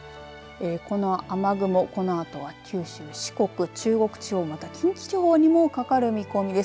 この雨雲、このあとは九州や四国、中国地方、または近畿地方にもかかる見通しです。